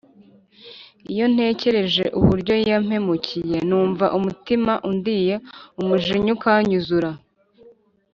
Iyo ntekereje uburyo yampemukiye numva umutima undiye umujinya ukanyuzura